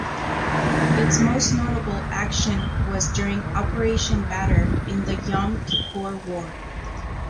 Its most notable action was during Operation Badr in the Yom Kippur War.